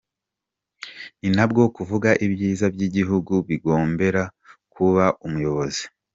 Nti ntabwo kuvuga ibyiza by’igihugu bigombera kuba umuyobozi.